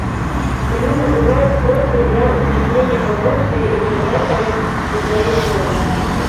Яны набываюць кроплі для ўзмацнення патэнцыі і вібратары для сваіх жонак.